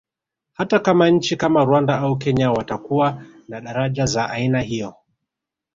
Hata kama nchi kama Rwanda au Kenya watakuwa na daraja za aina hiyo